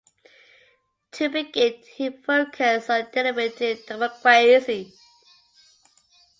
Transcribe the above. To begin he focused on deliberative democracy.